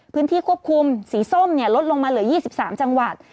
พื้นที่ควบคุมสีส้มลดลงมาเหลือ๒๓จังหวัด